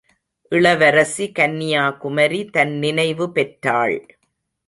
இளவரசி கன்யாகுமரி தன் நினைவு பெற்றாள்.